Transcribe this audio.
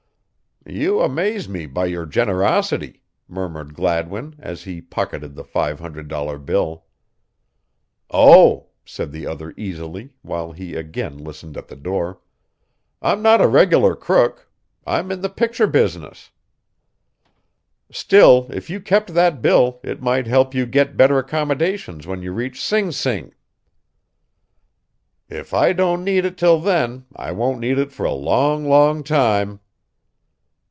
"You amaze me by your generosity," murmured Gladwin as he pocketed the $500 bill. "Oh," said the other easily, while he again listened at the door. "I'm not a regular crook I'm in the picture business." "Still, if you kept that bill it might help you get better accommodations when you reach Sing Sing." "If I don't need it till then I won't need it for a long, long time."